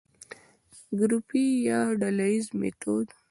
ګروپي يا ډلييز ميتود: